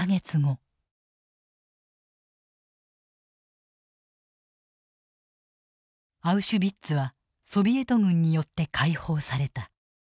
アウシュビッツはソビエト軍によって解放された。